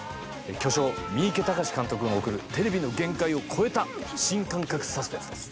巨匠三池崇史監督が送るテレビの限界を超えた新感覚サスペンスです。